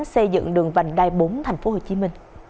xây dựng đường vành đai bốn tp hcm